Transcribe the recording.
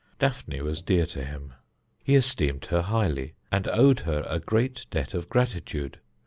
Daphne was dear to him. He esteemed her highly, and owed her a great debt of gratitude.